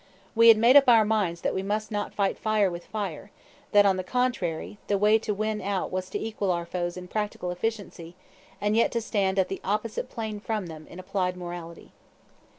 We had made up our minds that we must not fight fire with fire, that on the contrary the way to win out was to equal our foes in practical efficiency and yet to stand at the opposite plane from them in applied morality.